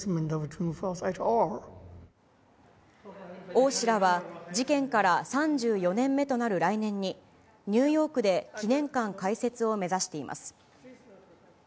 王氏らは事件から３４年目となる来年に、ニューヨークで記念館開設を目指しています。